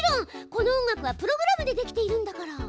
この音楽はプログラムでできているんだから。